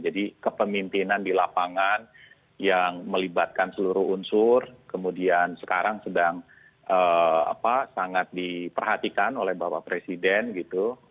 jadi kepemimpinan di lapangan yang melibatkan seluruh unsur kemudian sekarang sedang sangat diperhatikan oleh bapak presiden gitu